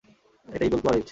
ওটা Eagle Claw রীজ।